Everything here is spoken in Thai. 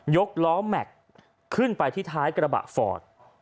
กล้อแม็กซ์ขึ้นไปที่ท้ายกระบะฟอร์ด